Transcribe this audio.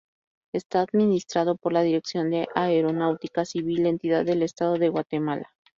Está administrado por la Dirección de Aeronáutica Civil, entidad del estado de Guatemala.